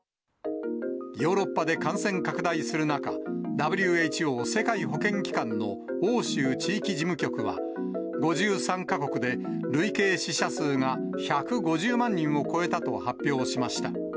ヨーロッパで感染拡大する中、ＷＨＯ・世界保健機関の欧州地域事務局は、５３か国で累計死者数が１５０万人を超えたと発表しました。